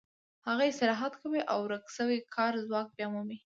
هغه استراحت کوي او ورک شوی کاري ځواک بیا مومي